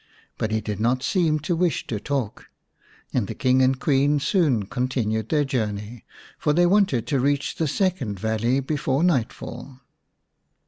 But he did not seem to wish to talk, and the King and Queen soon continued their journey, for they wanted to reach the second valley before nightfall.